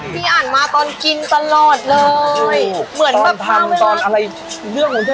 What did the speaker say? พี่อันมาตอนกินตลอดเลยเหมือนเมื่อพร้อมเวลาตอนทำตอนอะไรเรื่องของเธอ